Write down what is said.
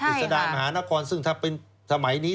กิจสดามหานครซึ่งถ้าเป็นสมัยนี้